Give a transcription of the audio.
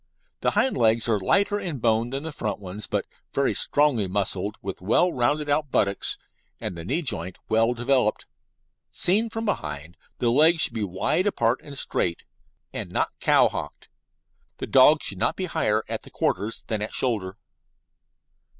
The hind legs are lighter in bone than the front ones, but very strongly muscled, with well rounded out buttocks, and the knee joint well developed. Seen from behind, the legs should be wide apart and straight, and not cowhocked. The dog should not be higher at the quarters than at shoulder.